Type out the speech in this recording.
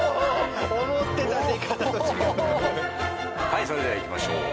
はいそれではいきましょう。